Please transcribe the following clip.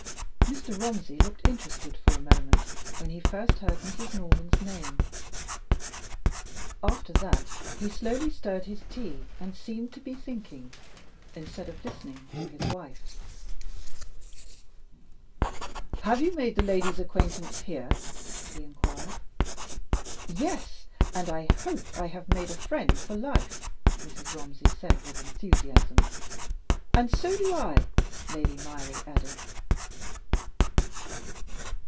Mr. Romsey looked interested for a moment, when he first heard Mrs. Norman's name. After that, he slowly stirred his tea, and seemed to be thinking, instead of listening to his wife. "Have you made the lady's acquaintance here?" he inquired. "Yes and I hope I have made a friend for life," Mrs. Romsey said with enthusiasm. "And so do I," Lady Myrie added.